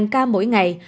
một ca mỗi ngày